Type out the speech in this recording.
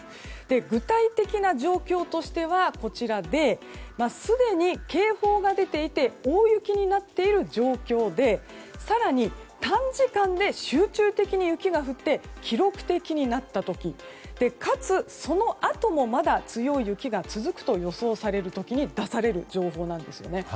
具体的な状況としてはこちらですでに警報が出ていて大雪になっている状況で更に短時間で集中的に雪が降って記録的になった時かつそのあともまだ強い雪が続くと予想される時に出される情報なんですね。